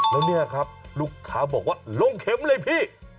แล้วเนี่ยครับลูกค้าบอกว่าลงเข็มเลยพี่